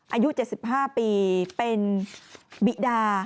อายุ๗๕ปีเป็นบิดา